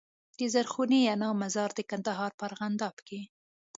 د زرغونې انا مزار د کندهار په ارغنداب کي